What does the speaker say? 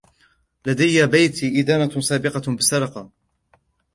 لدى بيتي إدانة سابقة بالسرقة.